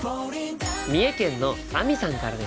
三重県のあみさんからです。